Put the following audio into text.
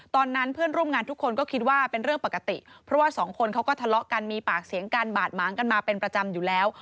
ตอนนั้นเพื่อนร่วมงานทุกคนก็คิดว่าเป็นเรื่องปกติเพราะว่าสองคนเขาก็ทะเลาะกันมีปากเสียงกันบาดหมางกันมาเป็นประจำอยู่แล้ว